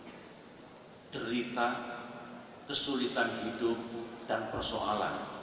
yang dihadapi oleh rumah tangga rumah tanpa sumber rumah ketiga rumah ketiga keras rumah ketiga jauh rumah keempat rumah keempat rumah keempat